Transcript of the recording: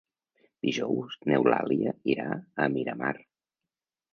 Dijous n'Eulàlia irà a Miramar.